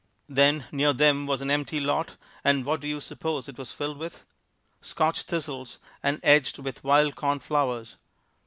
Then near them was an empty lot and what do you suppose it was filled with? Scotch thistles, and edged with wild corn flowers.